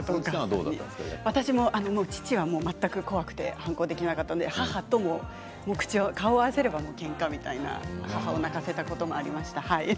私も父は全く怖くて反抗できなかったので母と顔を合わせればけんかみたいな感じのときもありました。